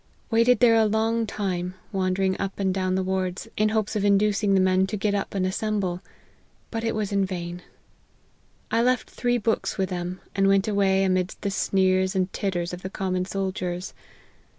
Waited there a long time, wandering up and down the wards, in hopes of in ducing the men to get up and assemble ; but it was in vain. I left three books with them, and went away amidst the sneers and titters of the common soldiers.